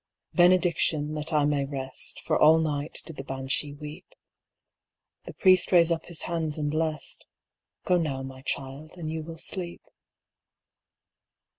"Benediction, that I may rest, For all night did the Banshee weep." The priest raised up his hands and blest— "Go now, my child, and you will sleep."